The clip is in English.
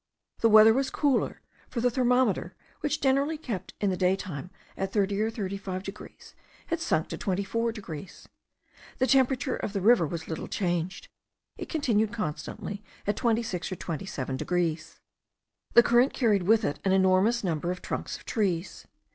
The weather was cooler, for the thermometer (which generally kept up in the daytime to 30 or 35 degrees) had sunk to 24 degrees. The temperature of the river was little changed: it continued constantly at 26 or 27 degrees. The current carried with it an enormous number of trunks of trees.